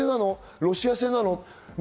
ロシア製なの？